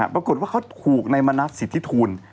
ปรากฏว่าเขาถูกในมณัฐสิทธิทูล